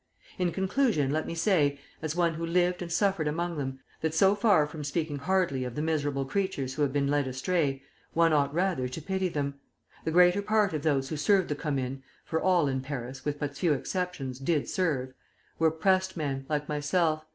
In conclusion let me say, as one who lived and suffered among them, that so far from speaking hardly of the miserable creatures who have been led astray, one ought rather to pity them. The greater part of those who served the Commune (for all in Paris, with but few exceptions, did serve) were 'pressed men' like myself.